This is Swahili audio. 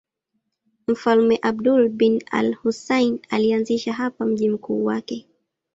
Mfalme Abdullah bin al-Husayn alianzisha hapa mji mkuu wake.